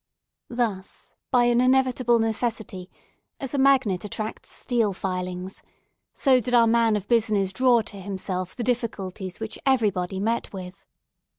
Thus, by an inevitable necessity, as a magnet attracts steel filings, so did our man of business draw to himself the difficulties which everybody met with.